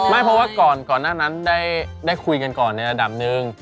ไม่เพราะว่าก่อนหน้านั้นได้คุยกันก่อนในระดับหนึ่ง